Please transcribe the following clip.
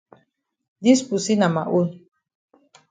Dis pussy na ma own.